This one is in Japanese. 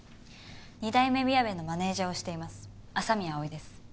二代目みやべのマネージャーをしています麻宮葵です。